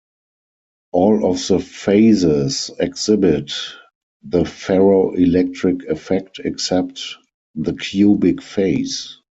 All of the phases exhibit the ferroelectric effect except the cubic phase.